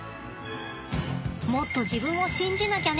もっと自分を信じなきゃね。